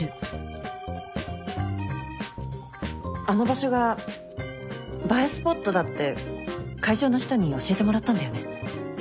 あの場所が映えスポットだって会場の人に教えてもらったんだよね。